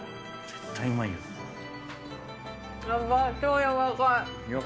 絶対うまいよ。